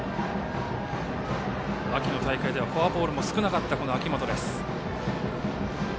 秋の大会ではフォアボールも少なかった秋本。